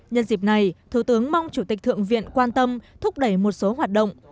nhân dịp này thủ tướng mong chủ tịch thượng viện quan tâm thúc đẩy một số hoạt động